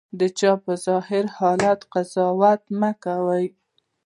د چا په ظاهري حالت قضاوت مه کوه.